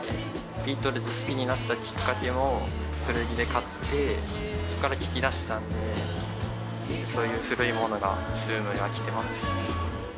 ビートルズ好きになったきっかけも、古着を買って、そこから聴きだしたんで、そういう古いもののブームが来てます。